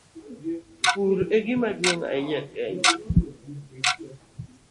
Pur e gima duong' ahinya e Kenya.